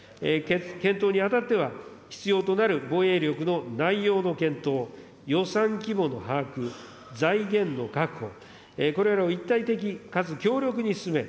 検討にあたっては、必要となる防衛力の内容の検討、予算規模の把握、財源の確保、これらを一体的かつ強力に進め、